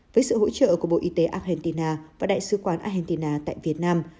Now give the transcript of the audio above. với sự hỗ trợ của bộ y tế argentina và đại sứ quán argentina tại việt nam